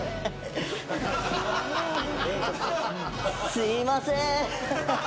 すいません。